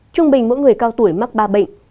trung bình mỗi người cao tuổi mắc ba bệnh